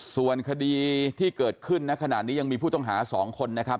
ส่วนคดีที่เกิดขึ้นณขณะนี้ยังมีผู้ต้องหา๒คนนะครับ